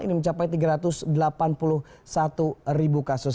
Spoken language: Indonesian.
ini mencapai tiga ratus delapan puluh satu ribu kasus